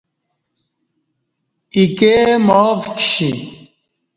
ایکے معاف کشی